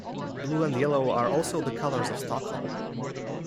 Blue and yellow are also the colours of Stockholm.